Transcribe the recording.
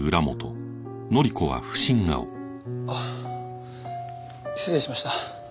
あっ失礼しました。